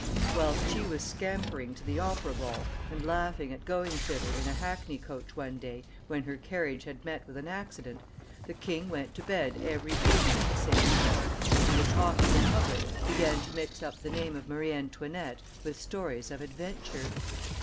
Whilst she was scampering to the Opera ball, and laughing at going thither in a hackney coach one day when her carriage had met with an accident, the king went to bed every evening at the same hour, and the talk of the public began to mix up the name of Marie Antoinette with stories of adventure.